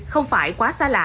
không phải quá xa lạ